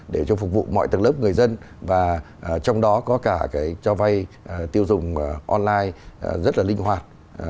để cho phục vụ mọi tầng lớp người dân và trong đó có cả cái cho vay tiêu dùng online rất là linh hoạt